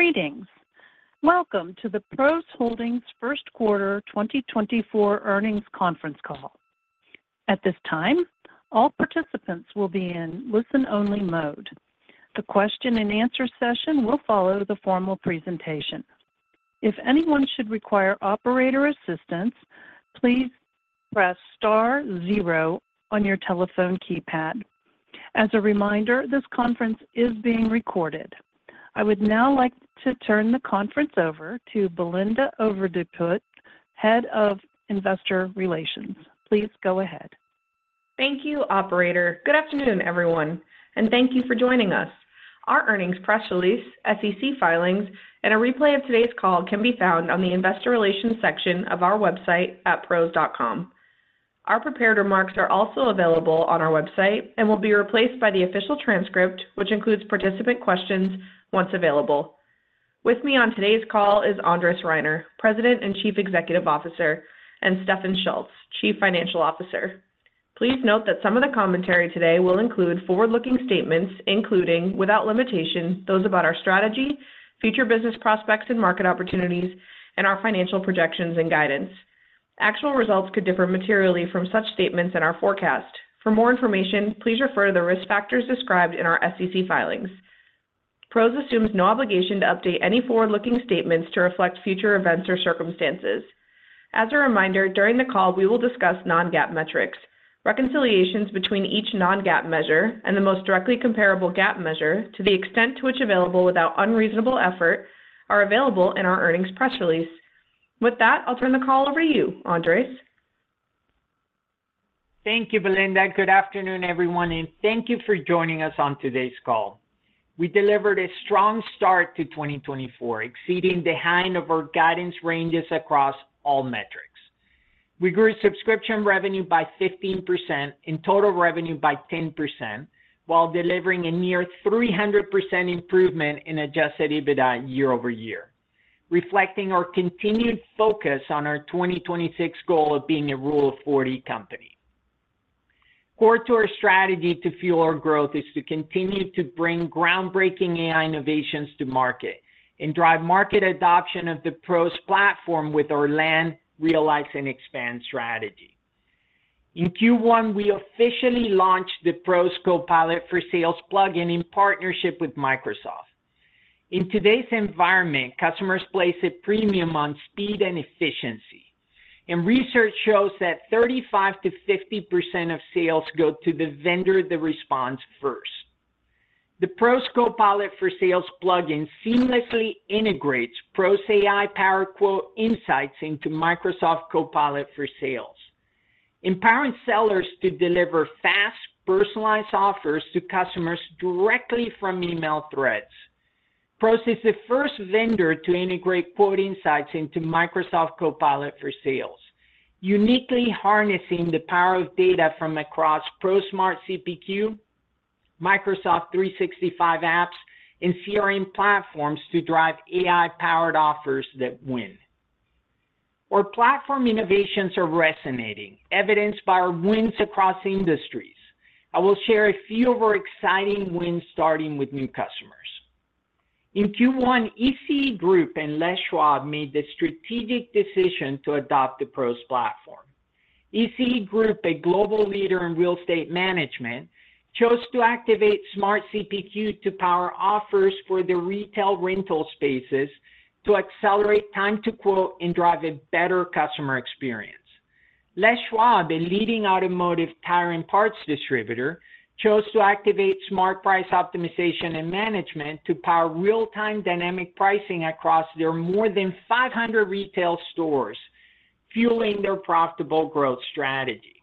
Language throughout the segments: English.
Greetings! Welcome to the PROS Holdings First Quarter 2024 Earnings Conference Call. At this time, all participants will be in listen-only mode. The question and answer session will follow the formal presentation. If anyone should require operator assistance, please press star zero on your telephone keypad. As a reminder, this conference is being recorded. I would now like to turn the conference over to Belinda Overdeput, Head of Investor Relations. Please go ahead. Thank you, operator. Good afternoon, everyone, and thank you for joining us. Our earnings press release, SEC filings, and a replay of today's call can be found on the Investor Relations section of our website at pros.com. Our prepared remarks are also available on our website and will be replaced by the official transcript, which includes participant questions, once available. With me on today's call is Andres Reiner, President and Chief Executive Officer, and Stefan Schulz, Chief Financial Officer. Please note that some of the commentary today will include forward-looking statements, including, without limitation, those about our strategy, future business prospects and market opportunities, and our financial projections and guidance. Actual results could differ materially from such statements in our forecast. For more information, please refer to the risk factors described in our SEC filings. PROS assumes no obligation to update any forward-looking statements to reflect future events or circumstances. As a reminder, during the call, we will discuss non-GAAP metrics. Reconciliations between each non-GAAP measure and the most directly comparable GAAP measure, to the extent to which available without unreasonable effort, are available in our earnings press release. With that, I'll turn the call over to you, Andres. Thank you, Belinda. Good afternoon, everyone, and thank you for joining us on today's call. We delivered a strong start to 2024, exceeding the high end of our guidance ranges across all metrics. We grew subscription revenue by 15% and total revenue by 10%, while delivering a near 300% improvement in adjusted EBITDA year over year, reflecting our continued focus on our 2026 goal of being a Rule of 40 company. Core to our strategy to fuel our growth is to continue to bring groundbreaking AI innovations to market and drive market adoption of the PROS Platform with our Land, Realize, and Expand strategy. In Q1, we officially launched the PROS Copilot for Sales plugin in partnership with Microsoft. In today's environment, customers place a premium on speed and efficiency, and research shows that 35%-50% of sales go to the vendor that responds first. The PROS Copilot for Sales plugin seamlessly integrates PROS AI-Powered Quote Insights into Microsoft Copilot for Sales, empowering sellers to deliver fast, personalized offers to customers directly from email threads. PROS is the first vendor to integrate quote insights into Microsoft Copilot for Sales, uniquely harnessing the power of data from across PROS Smart CPQ, Microsoft 365 apps, and CRM platforms to drive AI-powered offers that win. Our Platform innovations are resonating, evidenced by our wins across industries. I will share a few of our exciting wins, starting with new customers. In Q1, ECE Group and Les Schwab made the strategic decision to adopt the PROS Platform. ECE Group, a global leader in real estate management, chose to activate Smart CPQ to power offers for their retail rental spaces to accelerate time to quote and drive a better customer experience. Les Schwab, a leading automotive tire and parts distributor, chose to activate Smart Price Optimization and Management to power real-time dynamic pricing across their more than 500 retail stores, fueling their profitable growth strategy.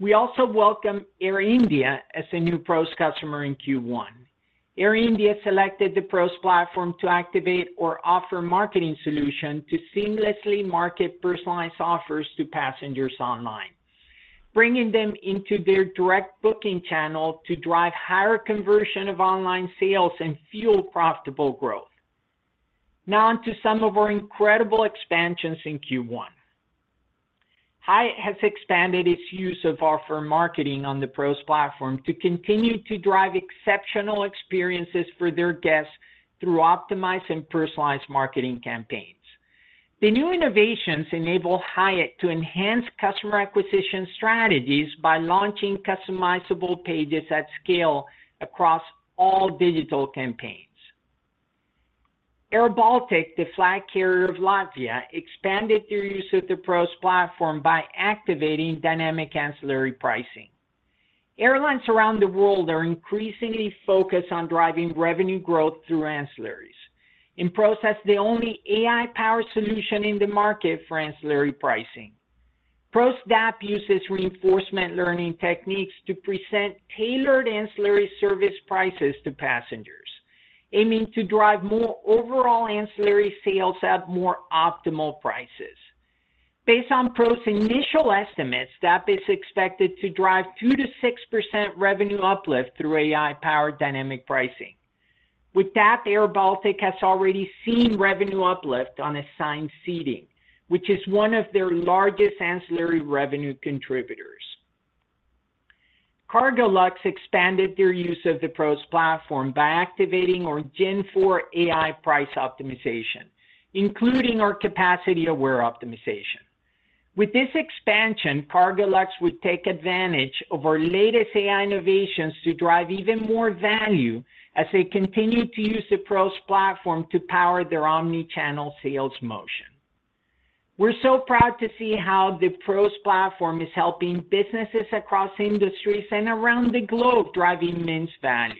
We also welcome Air India as a new PROS customer in Q1. Air India selected the PROS Platform to activate our Offer Marketing solution to seamlessly market personalized offers to passengers online, bringing them into their direct booking channel to drive higher conversion of online sales and fuel profitable growth. Now on to some of our incredible expansions in Q1. Hyatt has expanded its use of Offer Marketing on the PROS Platform to continue to drive exceptional experiences for their guests through optimized and personalized marketing campaigns. The new innovations enable Hyatt to enhance customer acquisition strategies by launching customizable pages at scale across all digital campaigns. airBaltic, the flag carrier of Latvia, expanded their use of the PROS Platform by activating Dynamic Ancillary Pricing. Airlines around the world are increasingly focused on driving revenue growth through ancillaries. In PROS, that's the only AI-powered solution in the market for ancillary pricing. PROS DAP uses reinforcement learning techniques to present tailored ancillary service prices to passengers, aiming to drive more overall ancillary sales at more optimal prices. Based on PROS' initial estimates, DAP is expected to drive 2%-6% revenue uplift through AI-powered dynamic pricing. With that, airBaltic has already seen revenue uplift on assigned seating, which is one of their largest ancillary revenue contributors. Cargolux expanded their use of the PROS Platform by activating our Gen IV AI Price Optimization, including our Capacity-Aware Optimization. With this expansion, Cargolux would take advantage of our latest AI innovations to drive even more value as they continue to use the PROS Platform to power their omni-channel sales motion. We're so proud to see how the PROS Platform is helping businesses across industries and around the globe, driving immense value.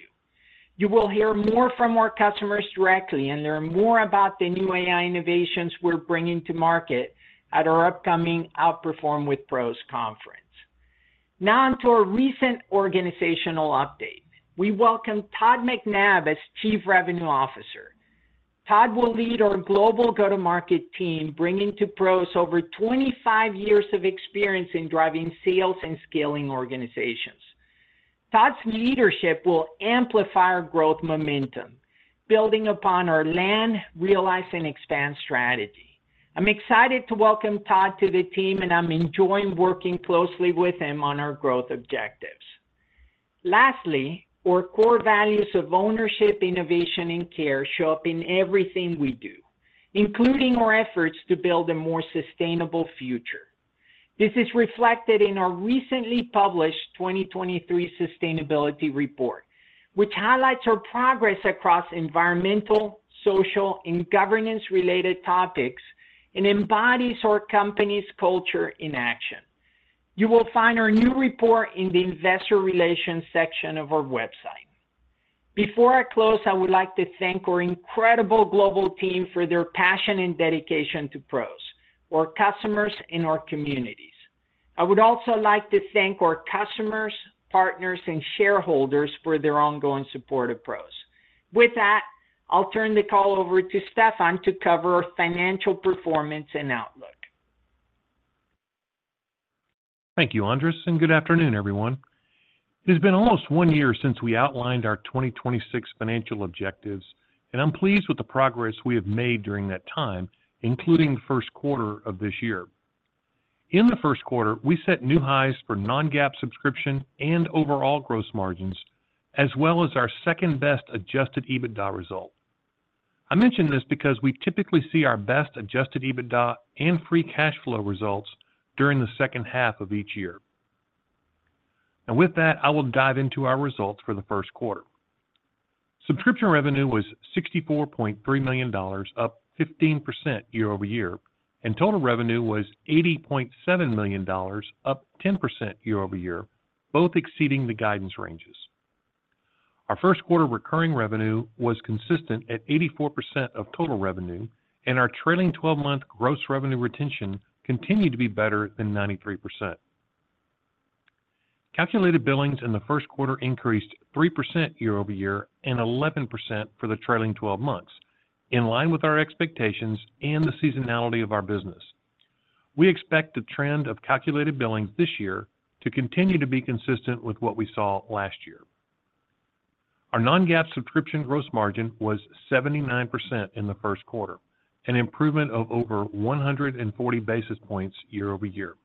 You will hear more from our customers directly, and learn more about the new AI innovations we're bringing to market at our upcoming Outperform with PROS conference. Now on to our recent organizational update. We welcome Todd McNabb as Chief Revenue Officer. Todd will lead our global go-to-market team, bringing to PROS over 25 years of experience in driving sales and scaling organizations. Todd's leadership will amplify our growth momentum, building upon our land, realize, and expand strategy. I'm excited to welcome Todd to the team, and I'm enjoying working closely with him on our growth objectives. Lastly, our core values of ownership, innovation, and care show up in everything we do, including our efforts to build a more sustainable future. This is reflected in our recently published 2023 Sustainability Report, which highlights our progress across environmental, social, and governance-related topics, and embodies our company's culture in action. You will find our new report in the Investor Relations section of our website. Before I close, I would like to thank our incredible global team for their passion and dedication to PROS, our customers, and our communities. I would also like to thank our customers, partners, and shareholders for their ongoing support of PROS. With that, I'll turn the call over to Stefan to cover our financial performance and outlook. Thank you, Andres, and good afternoon, everyone. It has been almost one year since we outlined our 2026 financial objectives, and I'm pleased with the progress we have made during that time, including the first quarter of this year. In the first quarter, we set new highs for non-GAAP subscription and overall gross margins, as well as our second-best adjusted EBITDA result. I mention this because we typically see our best adjusted EBITDA and free cash flow results during the second half of each year. And with that, I will dive into our results for the first quarter. Subscription revenue was $64.3 million, up 15% year-over-year, and total revenue was $80.7 million, up 10% year-over-year, both exceeding the guidance ranges. Our first quarter recurring revenue was consistent at 84% of total revenue, and our trailing 12-month gross revenue retention continued to be better than 93%. Calculated billings in the first quarter increased 3% year-over-year, and 11% for the trailing 12 months, in line with our expectations and the seasonality of our business. We expect the trend of calculated billings this year to continue to be consistent with what we saw last year. Our non-GAAP subscription gross margin was 79% in the first quarter, an improvement of over 140 basis points year-over-year.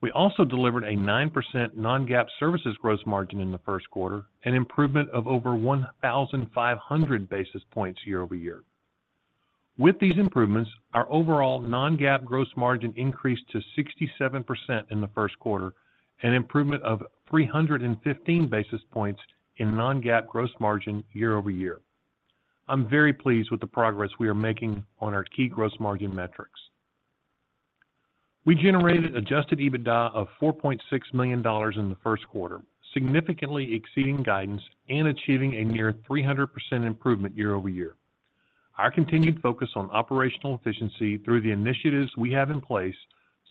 We also delivered a 9% non-GAAP services gross margin in the first quarter, an improvement of over 1,500 basis points year-over-year. With these improvements, our overall non-GAAP gross margin increased to 67% in the first quarter, an improvement of 315 basis points in non-GAAP gross margin year-over-year. I'm very pleased with the progress we are making on our key gross margin metrics. We generated adjusted EBITDA of $4.6 million in the first quarter, significantly exceeding guidance and achieving a near 300% improvement year-over-year. Our continued focus on operational efficiency through the initiatives we have in place,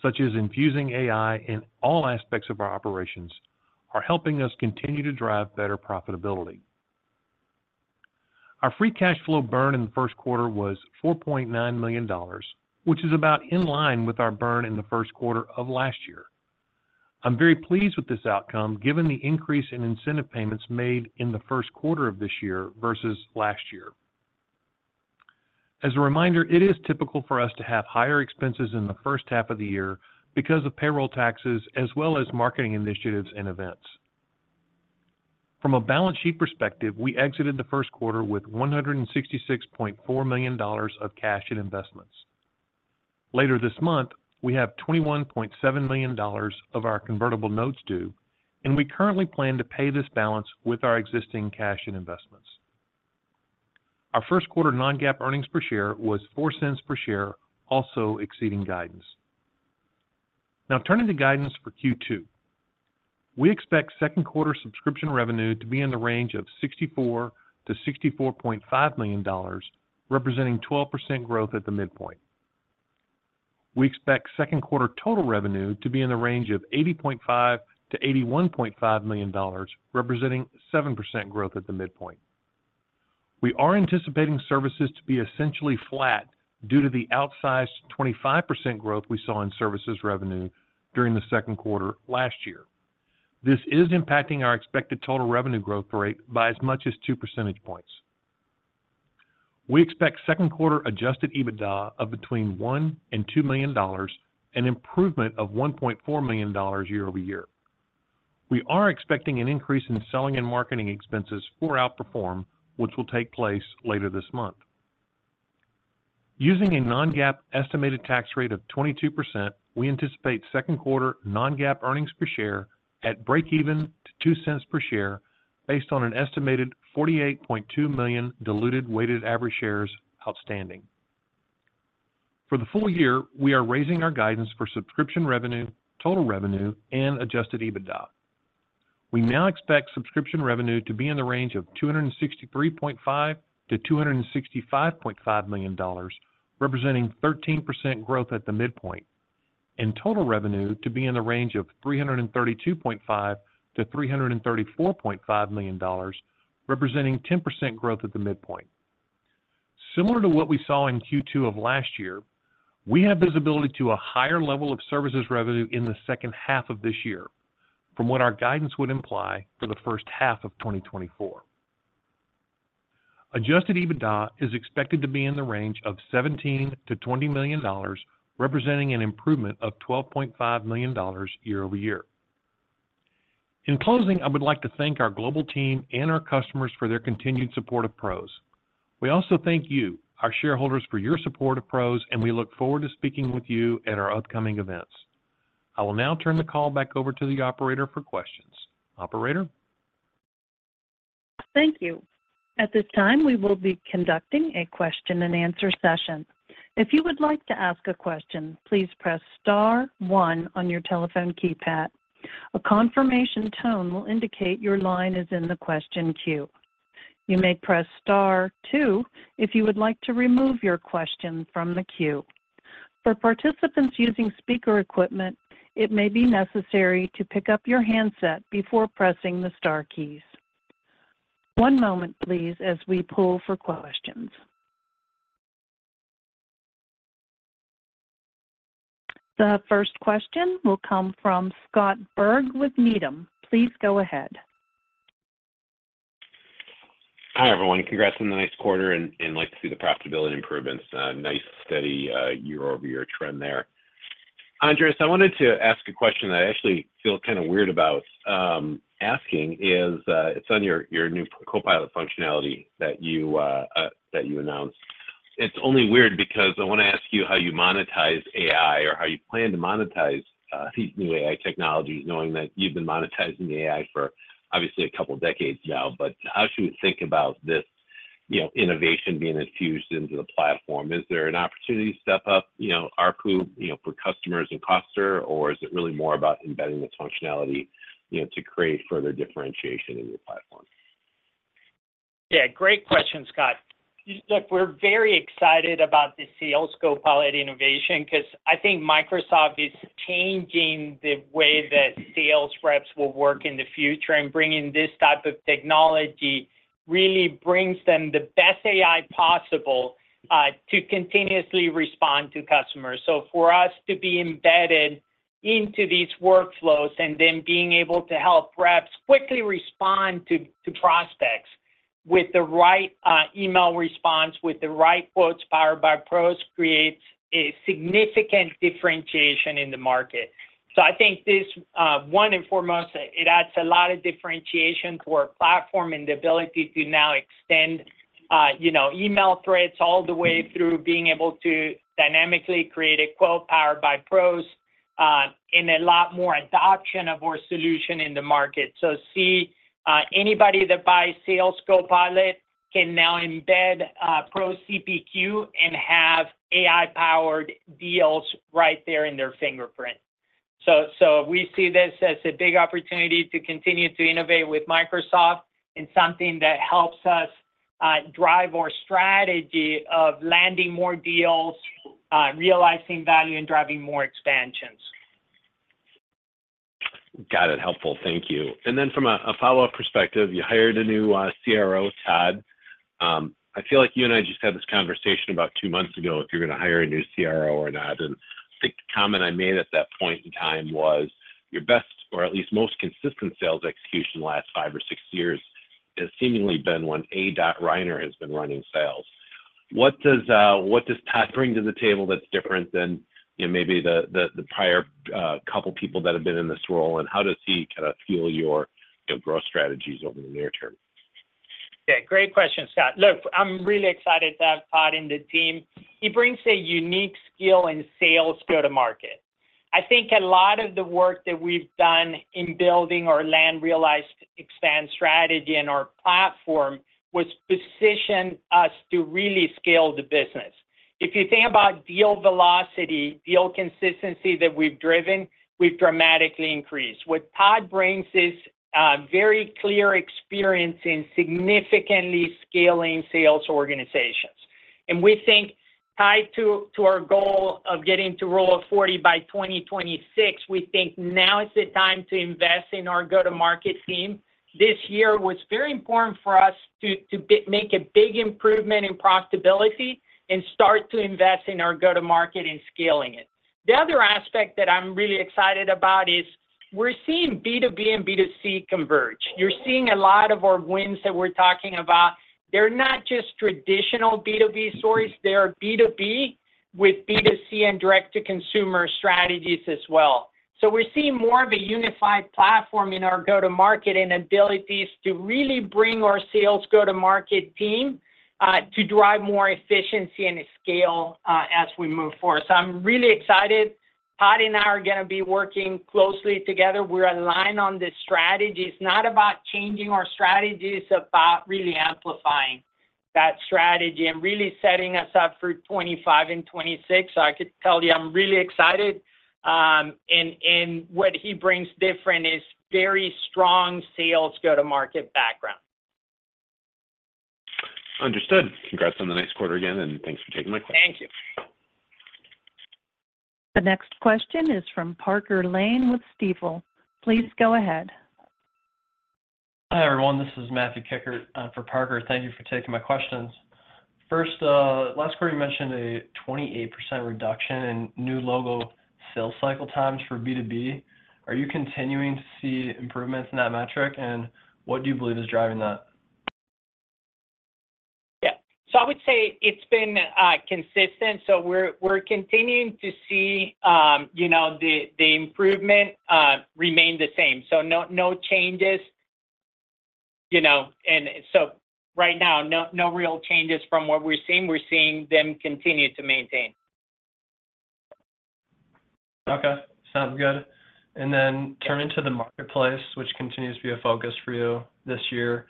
such as infusing AI in all aspects of our operations, are helping us continue to drive better profitability. Our free cash flow burn in the first quarter was $4.9 million, which is about in line with our burn in the first quarter of last year. I'm very pleased with this outcome, given the increase in incentive payments made in the first quarter of this year versus last year. As a reminder, it is typical for us to have higher expenses in the first half of the year because of payroll taxes, as well as marketing initiatives and events. From a balance sheet perspective, we exited the first quarter with $166.4 million of cash and investments. Later this month, we have $21.7 million of our convertible notes due, and we currently plan to pay this balance with our existing cash and investments. Our first quarter non-GAAP earnings per share was $0.04 per share, also exceeding guidance. Now turning to guidance for Q2. We expect second quarter subscription revenue to be in the range of $64 million-$64.5 million, representing 12% growth at the midpoint. We expect second quarter total revenue to be in the range of $80.5 million-$81.5 million, representing 7% growth at the midpoint. We are anticipating services to be essentially flat due to the outsized 25% growth we saw in services revenue during the second quarter last year. This is impacting our expected total revenue growth rate by as much as two percentage points... We expect second quarter adjusted EBITDA of between $1 million and $2 million, an improvement of $1.4 million year-over-year. We are expecting an increase in selling and marketing expenses for Outperform, which will take place later this month. Using a non-GAAP estimated tax rate of 22%, we anticipate second quarter non-GAAP earnings per share at breakeven to $0.02 per share, based on an estimated 48.2 million diluted weighted average shares outstanding. For the full year, we are raising our guidance for subscription revenue, total revenue, and adjusted EBITDA. We now expect subscription revenue to be in the range of $263.5 million-$265.5 million, representing 13% growth at the midpoint, and total revenue to be in the range of $332.5 million-$334.5 million, representing 10% growth at the midpoint. Similar to what we saw in Q2 of last year, we have visibility to a higher level of services revenue in the second half of this year from what our guidance would imply for the first half of 2024. Adjusted EBITDA is expected to be in the range of $17 million-$20 million, representing an improvement of $12.5 million year-over-year. In closing, I would like to thank our global team and our customers for their continued support of PROS. We also thank you, our shareholders, for your support of PROS, and we look forward to speaking with you at our upcoming events. I will now turn the call back over to the operator for questions. Operator? Thank you. At this time, we will be conducting a question-and-answer session. If you would like to ask a question, please press star one on your telephone keypad. A confirmation tone will indicate your line is in the question queue. You may press star two if you would like to remove your question from the queue. For participants using speaker equipment, it may be necessary to pick up your handset before pressing the star keys. One moment, please, as we pull for questions. The first question will come from Scott Berg with Needham. Please go ahead. Hi, everyone. Congrats on the nice quarter and like to see the profitability improvements. Nice, steady, year-over-year trend there. Andres, I wanted to ask a question that I actually feel kind of weird about asking. It's on your new Copilot functionality that you announced. It's only weird because I want to ask you how you monetize AI or how you plan to monetize these new AI technologies, knowing that you've been monetizing AI for obviously a couple of decades now. But how should we think about this, you know, innovation being infused into the Platform? Is there an opportunity to step up, you know, ARPU, you know, for customers and cluster, or is it really more about embedding this functionality, you know, to create further differentiation in your Platform? Yeah, great question, Scott. Look, we're very excited about the Sales Copilot innovation, 'cause I think Microsoft is changing the way that sales reps will work in the future, and bringing this type of technology really brings them the best AI possible, to continuously respond to customers. So for us to be embedded into these workflows and then being able to help reps quickly respond to prospects with the right email response, with the right quotes powered by PROS, creates a significant differentiation in the market. So I think this, one and foremost, it adds a lot of differentiation to our Platform and the ability to now extend, you know, email threads all the way through, being able to dynamically create a quote powered by PROS, and a lot more adoption of our solution in the market. So, see, anybody that buys Sales Copilot can now embed PROS CPQ and have AI-powered deals right there in their fingerprint. So we see this as a big opportunity to continue to innovate with Microsoft and something that helps us drive our strategy of landing more deals, realizing value, and driving more expansions. Got it. Helpful. Thank you. And then from a follow-up perspective, you hired a new CRO, Todd. I feel like you and I just had this conversation about two months ago, if you're going to hire a new CRO or not, and I think the comment I made at that point in time was: your best or at least most consistent sales execution in the last five or six years has seemingly been when Andres Reiner has been running sales. What does Todd bring to the table that's different than, you know, maybe the prior couple people that have been in this role, and how does he kind of fuel your growth strategies over the near term? Yeah, great question, Scott. Look, I'm really excited to have Todd in the team. He brings a unique skill in sales go-to-market. I think a lot of the work that we've done in building our land, realize, and expand strategy and our Platform was positioned us to really scale the business. If you think about deal velocity, deal consistency that we've driven, we've dramatically increased. What Todd brings is a very clear experience in significantly scaling sales organizations, and we think tied to our goal of getting to Rule of 40 by 2026, we think now is the time to invest in our go-to-market team. This year was very important for us to make a big improvement in profitability and start to invest in our go-to-market and scaling it. The other aspect that I'm really excited about is... We're seeing B2B and B2C converge. You're seeing a lot of our wins that we're talking about. They're not just traditional B2B stories, they are B2B with B2C and direct-to-consumer strategies as well. So we're seeing more of a unified Platform in our go-to-market and abilities to really bring our sales go-to-market team, to drive more efficiency and scale, as we move forward. So I'm really excited. Todd and I are gonna be working closely together. We're aligned on the strategy. It's not about changing our strategy, it's about really amplifying that strategy, and really setting us up for 2025 and 2026. So I could tell you, I'm really excited, and what he brings different is very strong sales go-to-market background. Understood. Congrats on the next quarter again, and thanks for taking my call. Thank you. The next question is from Parker Lane with Stifel. Please go ahead. Hi, everyone, this is Matthew Kikkert, for Parker. Thank you for taking my questions. First, last quarter you mentioned a 28% reduction in new logo sales cycle times for B2B. Are you continuing to see improvements in that metric? And what do you believe is driving that? Yeah. So I would say it's been consistent, so we're continuing to see, you know, the improvement remain the same. So no, no changes, you know, and so right now, no, no real changes from what we're seeing. We're seeing them continue to maintain. Okay. Sounds good. And then turning to the marketplace, which continues to be a focus for you this year,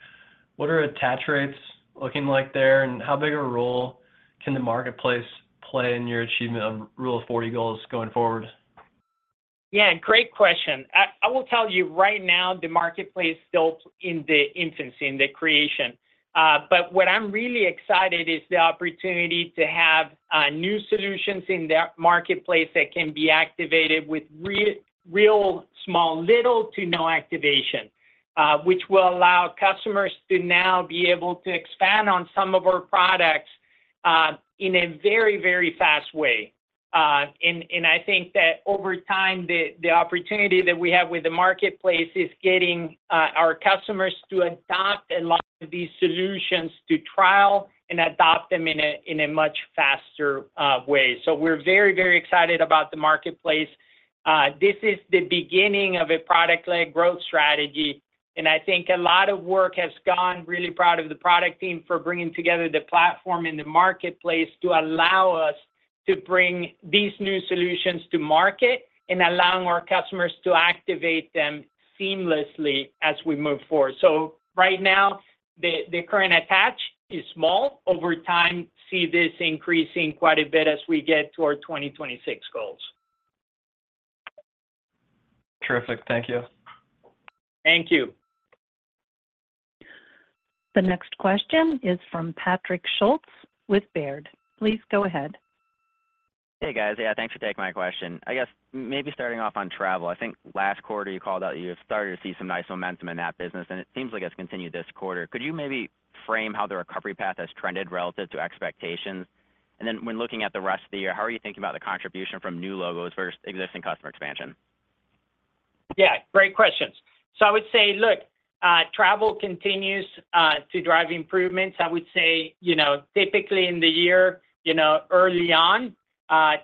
what are attach rates looking like there, and how big a role can the marketplace play in your achievement of Rule of 40 goals going forward? Yeah, great question. I will tell you right now, the marketplace is still in the infancy, in the creation. But what I'm really excited is the opportunity to have new solutions in the marketplace that can be activated with real small, little to no activation, which will allow customers to now be able to expand on some of our products in a very, very fast way. And I think that over time, the opportunity that we have with the marketplace is getting our customers to adopt a lot of these solutions, to trial and adopt them in a much faster way. So we're very, very excited about the marketplace. This is the beginning of a product-led growth strategy, and I think a lot of work has gone... Really proud of the product team for bringing together the Platform in the marketplace to allow us to bring these new solutions to market, and allowing our customers to activate them seamlessly as we move forward. So right now, the current attach is small. Over time, see this increasing quite a bit as we get to our 2026 goals. Terrific. Thank you. Thank you. The next question is from Patrick Schulz with Baird. Please go ahead. Hey, guys. Yeah, thanks for taking my question. I guess maybe starting off on travel, I think last quarter you called out that you had started to see some nice momentum in that business, and it seems like it's continued this quarter. Could you maybe frame how the recovery path has trended relative to expectations? And then when looking at the rest of the year, how are you thinking about the contribution from new logos versus existing customer expansion? Yeah, great questions. So I would say, look, travel continues to drive improvements. I would say, you know, typically in the year, you know, early on,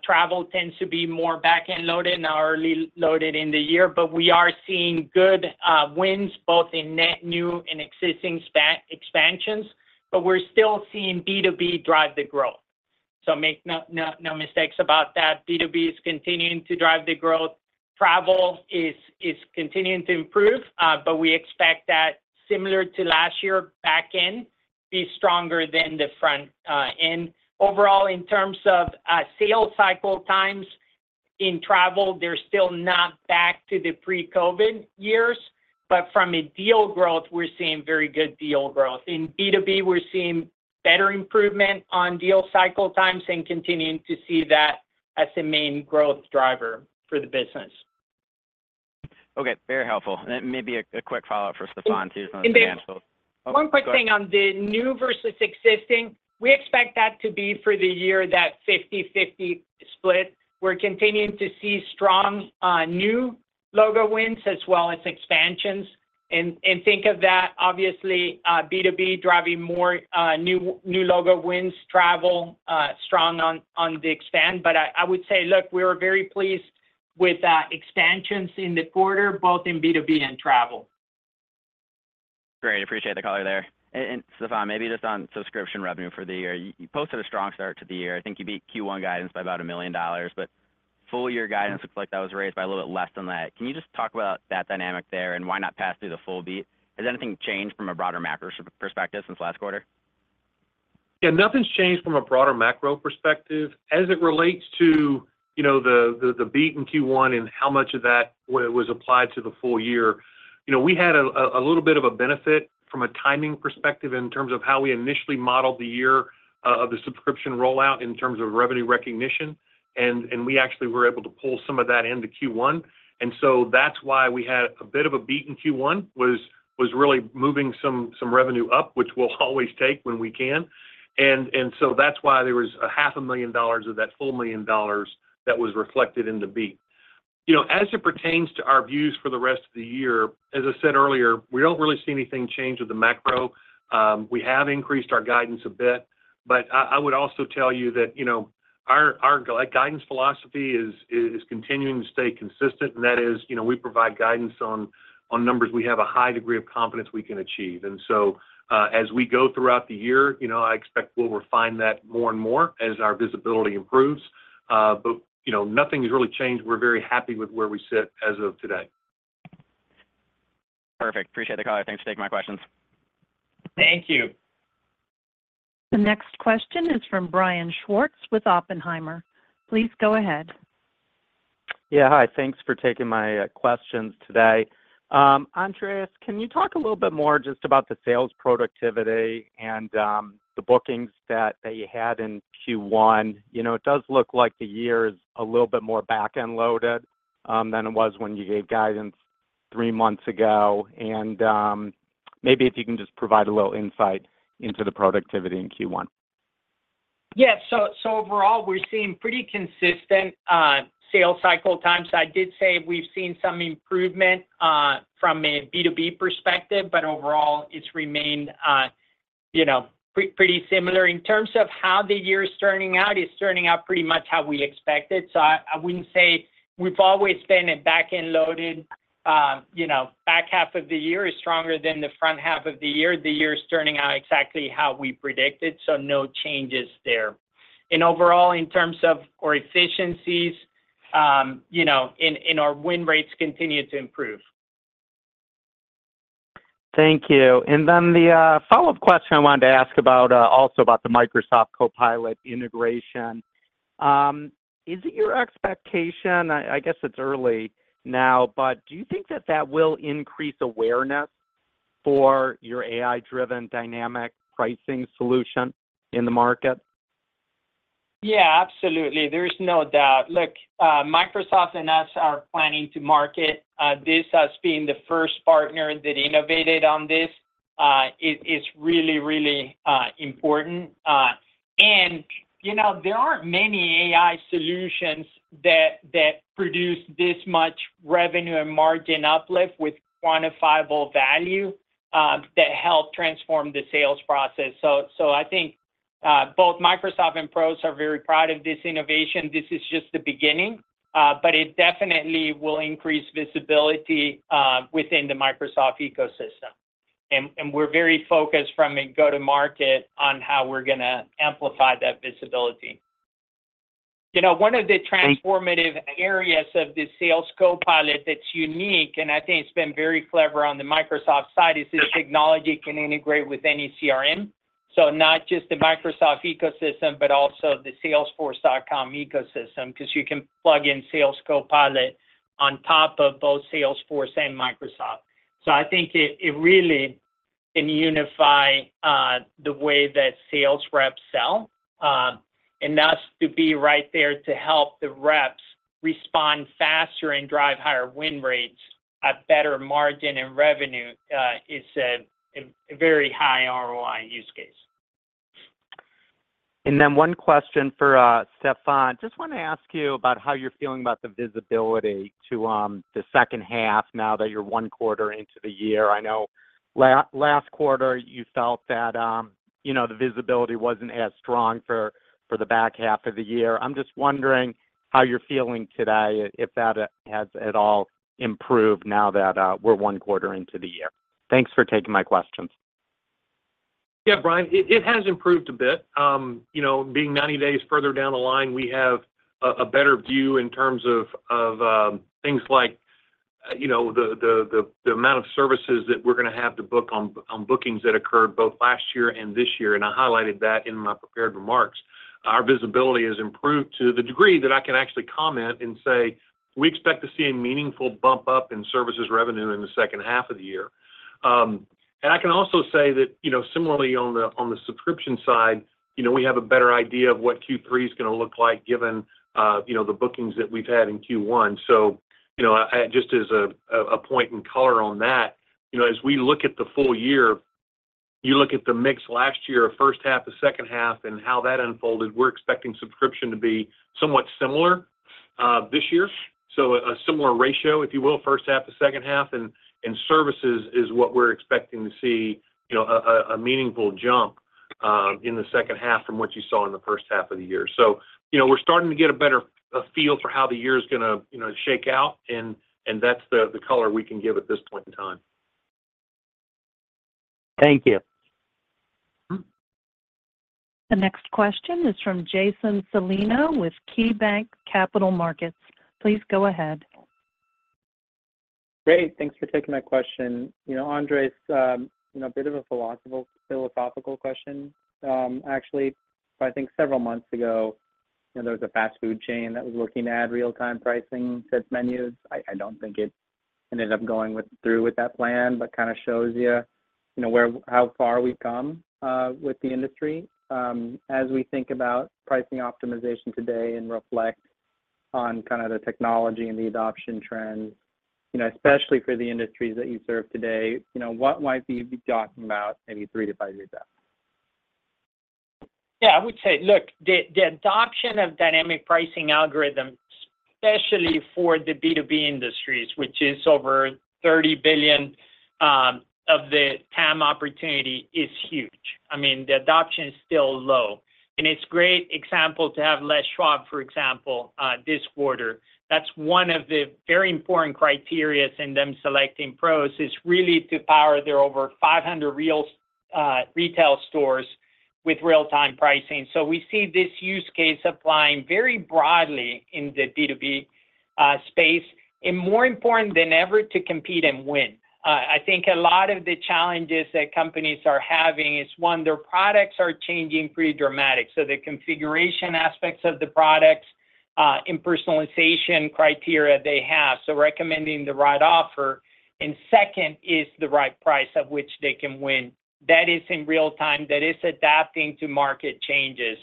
travel tends to be more back-end loaded and front-end loaded early in the year, but we are seeing good wins, both in net new and existing SaaS expansions, but we're still seeing B2B drive the growth. So make no, no, no mistakes about that. B2B is continuing to drive the growth. Travel is continuing to improve, but we expect that similar to last year, back-end will be stronger than the front. And overall, in terms of sales cycle times in travel, they're still not back to the pre-COVID years, but from a deal growth, we're seeing very good deal growth. In B2B, we're seeing better improvement on deal cycle times and continuing to see that as the main growth driver for the business. Okay, very helpful. And then maybe a quick follow-up for Stefan too- One quick thing on the new versus existing. Go ahead. We expect that to be for the year, that 50/50 split. We're continuing to see strong new logo wins as well as expansions. And think of that, obviously, B2B driving more new logo wins, travel strong on the expand. But I would say, look, we are very pleased with expansions in the quarter, both in B2B and travel. Great. Appreciate the color there. And, Stefan, maybe just on subscription revenue for the year. You posted a strong start to the year. I think you beat Q1 guidance by about $1 million, but full year guidance looks like that was raised by a little bit less than that. Can you just talk about that dynamic there, and why not pass through the full beat? Has anything changed from a broader macro perspective since last quarter? Yeah, nothing's changed from a broader macro perspective. As it relates to, you know, the beat in Q1 and how much of that was applied to the full year, you know, we had a little bit of a benefit from a timing perspective in terms of how we initially modeled the year of the subscription rollout in terms of revenue recognition, and we actually were able to pull some of that into Q1. And so that's why we had a bit of a beat in Q1, was really moving some revenue up, which we'll always take when we can. And so that's why there was $500,000 of that full $1 million that was reflected in the beat. You know, as it pertains to our views for the rest of the year, as I said earlier, we don't really see anything change with the macro. We have increased our guidance a bit, but I would also tell you that, you know, our guidance philosophy is continuing to stay consistent, and that is, you know, we provide guidance on numbers we have a high degree of confidence we can achieve. And so, as we go throughout the year, you know, I expect we'll refine that more and more as our visibility improves. But, you know, nothing's really changed. We're very happy with where we sit as of today. Perfect. Appreciate the call. Thanks for taking my questions. Thank you. The next question is from Brian Schwartz with Oppenheimer. Please go ahead. Yeah, hi. Thanks for taking my questions today. Andres, can you talk a little bit more just about the sales productivity and the bookings that you had in Q1? You know, it does look like the year is a little bit more back-end loaded than it was when you gave guidance three months ago. And maybe if you can just provide a little insight into the productivity in Q1. Yeah. So, so overall, we're seeing pretty consistent sales cycle times. I did say we've seen some improvement from a B2B perspective, but overall, it's remained, you know, pretty similar. In terms of how the year is turning out, it's turning out pretty much how we expected. So I wouldn't say we've always been a back-end loaded, you know, back half of the year is stronger than the front half of the year. The year is turning out exactly how we predicted, so no changes there. And overall, in terms of our efficiencies, you know, and our win rates continue to improve. Thank you. And then the follow-up question I wanted to ask about, also about the Microsoft Copilot integration. Is it your expectation... I guess it's early now, but do you think that that will increase awareness for your AI-driven dynamic pricing solution in the market? Yeah, absolutely. There's no doubt. Look, Microsoft and us are planning to market this as being the first partner that innovated on this. It is really, really important. And, you know, there aren't many AI solutions that produce this much revenue and margin uplift with quantifiable value that help transform the sales process. So I think both Microsoft and PROS are very proud of this innovation. This is just the beginning, but it definitely will increase visibility within the Microsoft ecosystem. And we're very focused from a go-to-market on how we're gonna amplify that visibility. You know, one of the- Thank you. Transformative areas of the Sales Copilot that's unique, and I think it's been very clever on the Microsoft side, is this technology can integrate with any CRM. So not just the Microsoft ecosystem, but also the Salesforce.com ecosystem, 'cause you can plug in Sales Copilot on top of both Salesforce and Microsoft. So I think it, it really can unify, the way that sales reps sell, and thus to be right there to help the reps respond faster and drive higher win rates at better margin and revenue, is a very high ROI use case. One question for Stefan. Just wanna ask you about how you're feeling about the visibility to the second half now that you're one quarter into the year. I know last quarter, you felt that, you know, the visibility wasn't as strong for the back half of the year. I'm just wondering how you're feeling today, if that has at all improved now that we're one quarter into the year. Thanks for taking my questions. Yeah, Brian, it has improved a bit. You know, being 90 days further down the line, we have a better view in terms of things like you know the amount of services that we're gonna have to book on bookings that occurred both last year and this year, and I highlighted that in my prepared remarks. Our visibility has improved to the degree that I can actually comment and say, "We expect to see a meaningful bump up in services revenue in the second half of the year." And I can also say that, you know, similarly on the subscription side, you know, we have a better idea of what Q3 is gonna look like, given you know the bookings that we've had in Q1. So, you know, just as a point in color on that, you know, as we look at the full year, you look at the mix last year, first half to second half, and how that unfolded, we're expecting subscription to be somewhat similar this year. So a similar ratio, if you will, first half to second half, and services is what we're expecting to see, you know, a meaningful jump in the second half from what you saw in the first half of the year. So, you know, we're starting to get a better feel for how the year is gonna shake out, and that's the color we can give at this point in time. Thank you. The next question is from Jason Celino with KeyBanc Capital Markets. Please go ahead. Great, thanks for taking my question. You know, Andres, you know, a bit of a philosophical question. Actually, I think several months ago, you know, there was a fast food chain that was looking to add real-time pricing to its menus. I don't think it ended up going through with that plan, but kind of shows you, you know, how far we've come with the industry. As we think about pricing optimization today and reflect on kind of the technology and the adoption trends, you know, especially for the industries that you serve today, you know, what might we be talking about maybe 3-5 years out? Yeah, I would say, look, the, the adoption of dynamic pricing algorithms, especially for the B2B industries, which is over $30 billion of the TAM opportunity, is huge. I mean, the adoption is still low, and it's great example to have Les Schwab, for example, this quarter. That's one of the very important criteria in them selecting PROS, is really to power their over 500 real retail stores with real-time pricing. So we see this use case applying very broadly in the B2B space, and more important than ever to compete and win. I think a lot of the challenges that companies are having is, one, their products are changing pretty dramatic. So the configuration aspects of the products, and personalization criteria they have, so recommending the right offer, and second is the right price at which they can win. That is in real time, that is adapting to market changes.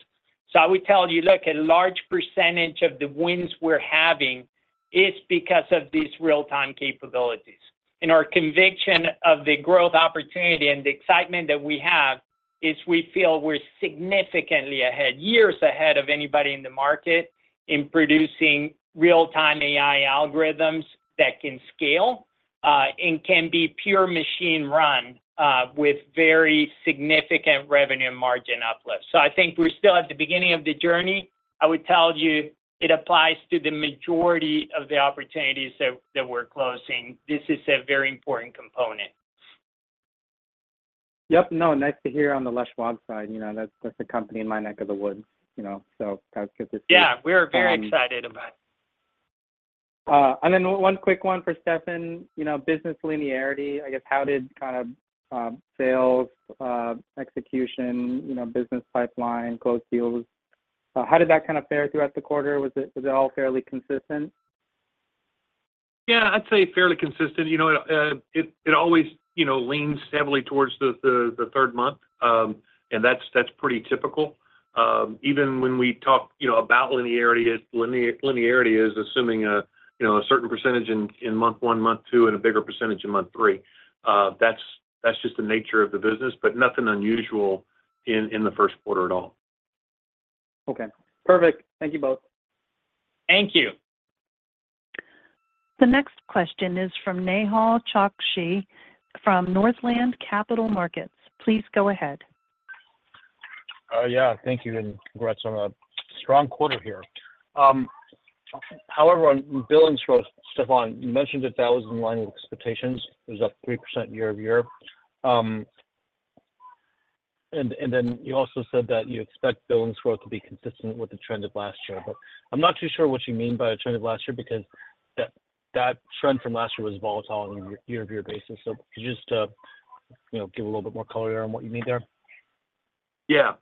So I would tell you, look, a large percentage of the wins we're having is because of these real-time capabilities. And our conviction of the growth opportunity and the excitement that we have is we feel we're significantly ahead, years ahead of anybody in the market in producing real-time AI algorithms that can scale, and can be pure machine-run, with very significant revenue and margin uplift. So I think we're still at the beginning of the journey. I would tell you, it applies to the majority of the opportunities that, that we're closing. This is a very important component. Yep. No, nice to hear on the Les Schwab side. You know, that's a company in my neck of the woods, you know, so that's good to see. Yeah, we're very excited about it. And then one quick one for Stefan. You know, business linearity, I guess, how did kind of sales execution, you know, business pipeline, close deals, how did that kind of fare throughout the quarter? Was it, was it all fairly consistent? Yeah, I'd say fairly consistent. You know, it always, you know, leans heavily towards the third month, and that's pretty typical. Even when we talk, you know, about linearity, linearity is assuming a, you know, a certain percentage in month one, month two, and a bigger percentage in month three. That's just the nature of the business, but nothing unusual in the first quarter at all. Okay, perfect. Thank you both. Thank you. The next question is from Nehal Chokshi, from Northland Capital Markets. Please go ahead. Yeah, thank you, and congrats on a strong quarter here. However, on billings growth, Stefan, you mentioned that that was in line with expectations. It was up 3% year-over-year. And then you also said that you expect billings growth to be consistent with the trend of last year. But I'm not too sure what you mean by the trend of last year, because that trend from last year was volatile on a year-over-year basis. So could you just, you know, give a little bit more color around what you mean there? Yeah.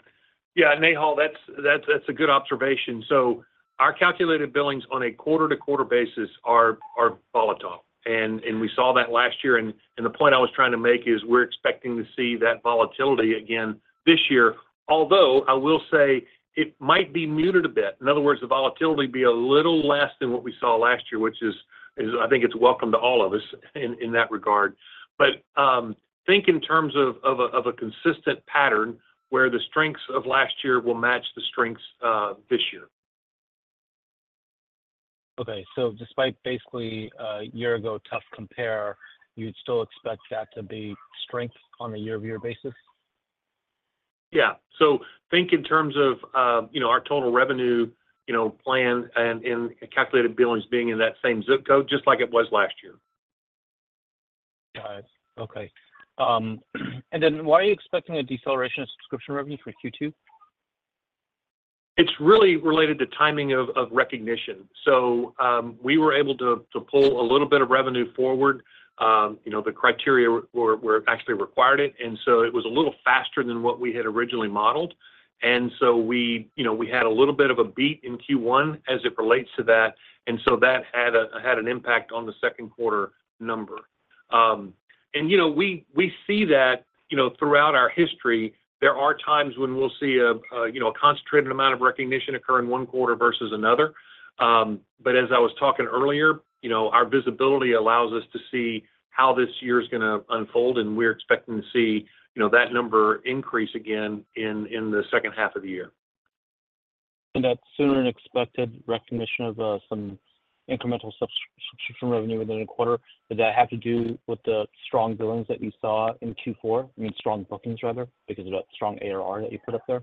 Nehal, that's a good observation. So our calculated billings on a quarter-to-quarter basis are volatile, and we saw that last year. And the point I was trying to make is, we're expecting to see that volatility again this year, although I will say it might be muted a bit. In other words, the volatility be a little less than what we saw last year, which I think it's welcome to all of us in that regard. But think in terms of a consistent pattern, where the strengths of last year will match the strengths this year. Okay. So despite basically, a year ago, tough compare, you'd still expect that to be strength on a year-over-year basis? Yeah. So think in terms of, you know, our total revenue, you know, plan and calculated billings being in that same zip code, just like it was last year. Got it. Okay. And then why are you expecting a deceleration of subscription revenue for Q2? It's really related to timing of recognition. So, we were able to pull a little bit of revenue forward. You know, the criteria where it actually required it, and so it was a little faster than what we had originally modeled. And so we, you know, we had a little bit of a beat in Q1 as it relates to that, and so that had an impact on the second quarter number. And, you know, we, we see that, you know, throughout our history, there are times when we'll see a concentrated amount of recognition occur in one quarter versus another. But as I was talking earlier, you know, our visibility allows us to see how this year is gonna unfold, and we're expecting to see, you know, that number increase again in the second half of the year. And that sooner-than-expected recognition of some incremental subscription revenue within a quarter, did that have to do with the strong billings that you saw in Q4? I mean, strong bookings, rather, because of that strong ARR that you put up there?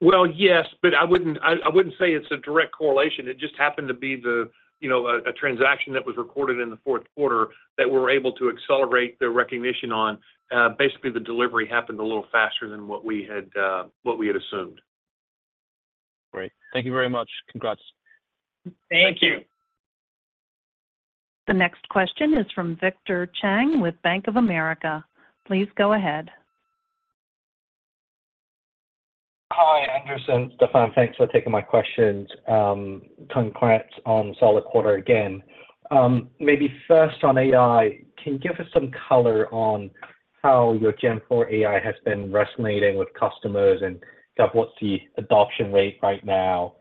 Well, yes, but I wouldn't say it's a direct correlation. It just happened to be the, you know, a transaction that was recorded in the fourth quarter that we're able to accelerate the recognition on. Basically, the delivery happened a little faster than what we had assumed. Great. Thank you very much. Congrats. Thank you. Thank you. The next question is from Victor Cheng, with Bank of America. Please go ahead. Hi, Andres, Stefan, thanks for taking my questions. Congrats on solid quarter again. Maybe first on AI, can you give us some color on how your Gen IV AI has been resonating with customers, and kind of what's the adoption rate right now?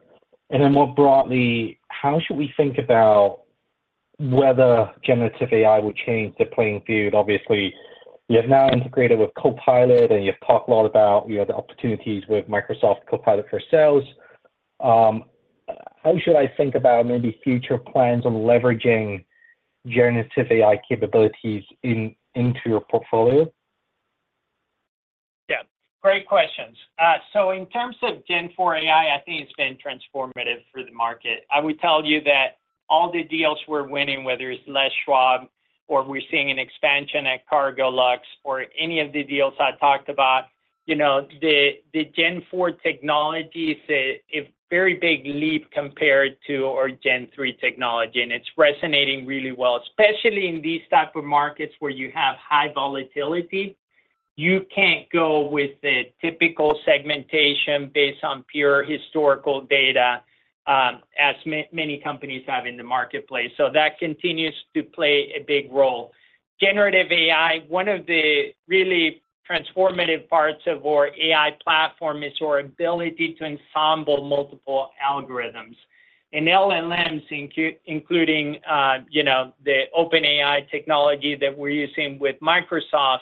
And then more broadly, how should we think about whether generative AI will change the playing field. Obviously, you have now integrated with Copilot, and you've talked a lot about, you know, the opportunities with Microsoft Copilot for Sales. How should I think about maybe future plans on leveraging generative AI capabilities in, into your portfolio? Yeah, great questions. So in terms of Gen IV AI, I think it's been transformative for the market. I would tell you that all the deals we're winning, whether it's Les Schwab or we're seeing an expansion at Cargolux or any of the deals I talked about, you know, the Gen IV technology is a very big leap compared to our Gen III technology, and it's resonating really well. Especially in these type of markets where you have high volatility, you can't go with the typical segmentation based on pure historical data, as many companies have in the marketplace, so that continues to play a big role. Generative AI, one of the really transformative parts of our AI Platform is our ability to ensemble multiple algorithms. LLMs, including, you know, the OpenAI technology that we're using with Microsoft,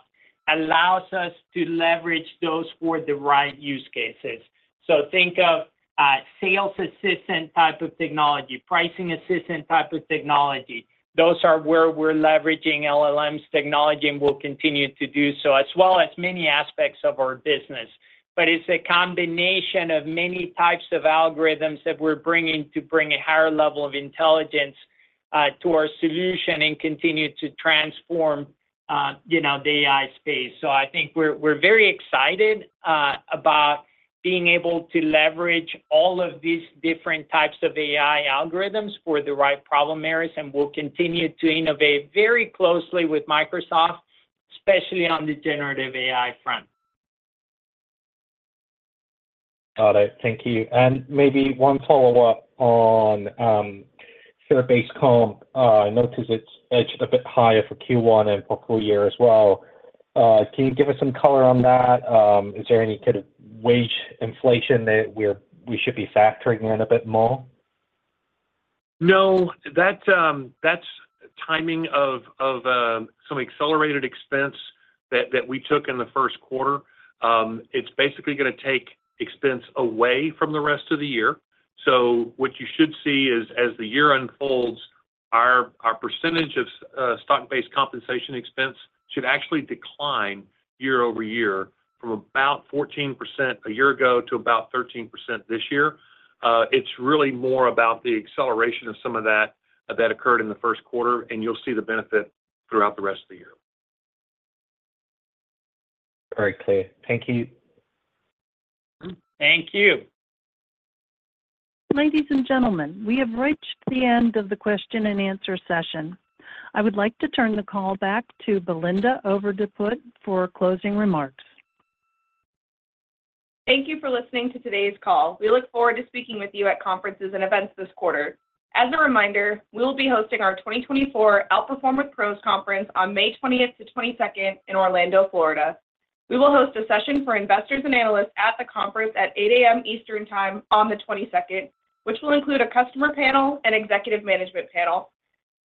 allows us to leverage those for the right use cases. So think of a sales assistant type of technology, pricing assistant type of technology. Those are where we're leveraging LLMs technology, and we'll continue to do so, as well as many aspects of our business. But it's a combination of many types of algorithms that we're bringing to bring a higher level of intelligence, to our solution and continue to transform, you know, the AI space. So I think we're, we're very excited, about being able to leverage all of these different types of AI algorithms for the right problem areas, and we'll continue to innovate very closely with Microsoft, especially on the generative AI front. Got it. Thank you. And maybe one follow-up on share-based comp. I noticed it's edged a bit higher for Q1 and for full year as well. Can you give us some color on that? Is there any kind of wage inflation that we should be factoring in a bit more? No, that's timing of some accelerated expense that we took in the first quarter. It's basically gonna take expense away from the rest of the year. So what you should see is, as the year unfolds, our percentage of stock-based compensation expense should actually decline year-over-year from about 14% a year ago to about 13% this year. It's really more about the acceleration of some of that that occurred in the first quarter, and you'll see the benefit throughout the rest of the year. Very clear. Thank you. Thank you. Ladies and gentlemen, we have reached the end of the question and answer session. I would like to turn the call back to Belinda Overdeput for closing remarks. Thank you for listening to today's call. We look forward to speaking with you at conferences and events this quarter. As a reminder, we will be hosting our 2024 Outperform with PROS Conference on May 20th-22nd in Orlando, Florida. We will host a session for investors and analysts at the conference at 8:00 A.M. Eastern Time on the 22nd, which will include a customer panel and executive management panel.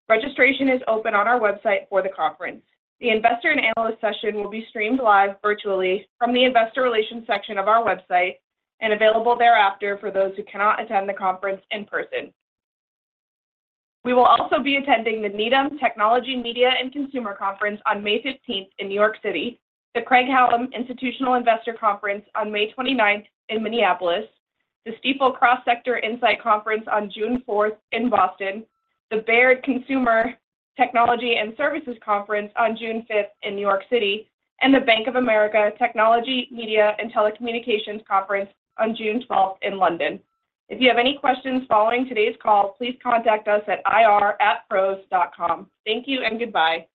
Registration is open on our website for the conference. The investor and analyst session will be streamed live virtually from the Investor Relations section of our website and available thereafter for those who cannot attend the conference in person. We will also be attending the Needham Technology, Media, and Consumer Conference on May 15th in New York City, the Craig-Hallum Institutional Investor Conference on May 29th in Minneapolis, the Stifel Cross Sector Insight Conference on June 4th in Boston, the Baird Consumer, Technology, and Services Conference on June 5th in New York City, and the Bank of America Technology, Media, and Telecommunications Conference on June 12th in London. If you have any questions following today's call, please contact us at ir@pros.com. Thank you and goodbye.